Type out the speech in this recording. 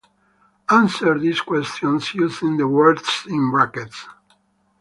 Answer these questions using the words in brackets.